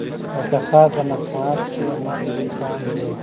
د تخار په نمک اب کې د مالګې لوی کان دی.